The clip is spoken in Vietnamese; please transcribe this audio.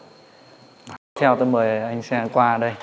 tiếp theo tôi mời anh xem qua đây